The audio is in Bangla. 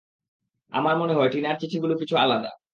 আমার মনে হয়, টিনার চিঠিগুলো কিছু আলাদা।